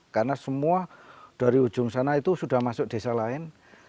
karena semua dari ujung sana itu sudah masuk desa lain